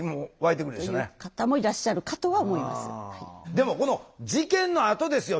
でもこの事件のあとですよ